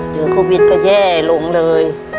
เจอโควิดก็เย่ลุงเลย